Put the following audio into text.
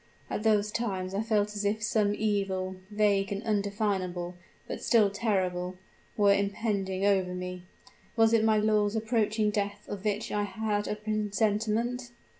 At those times I felt as if some evil vague and undefinable, but still terrible were impending over me. Was it my lord's approaching death of which I had a presentiment?